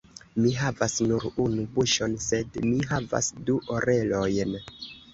Mi havas nur unu buŝon, sed mi havas du orelojn.